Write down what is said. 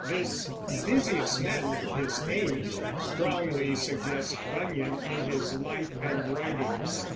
This "busiest man of his age" strongly suggests Bunyan in his life and writings.